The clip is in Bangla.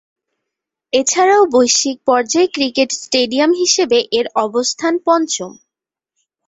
এছাড়াও, বৈশ্বিক পর্যায়ে ক্রিকেট স্টেডিয়াম হিসেবে এর অবস্থান পঞ্চম।